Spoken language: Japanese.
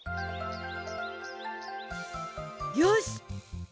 よし！